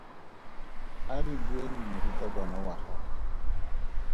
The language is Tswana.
A re bueng morutabana wa gago.